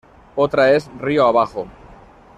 Otra es "Río Abajo".